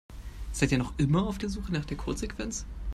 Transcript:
Seid ihr noch immer auf der Suche nach der Codesequenz?